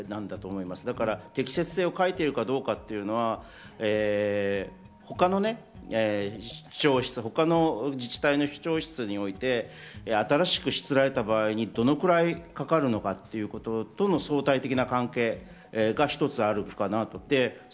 適切性を欠いているかどうかというのは、他の市長室、自治体の市長室において、新しく、しつらえた場合、どのくらいかかるのかといったところの相対関係というのが一つあるかなと思って。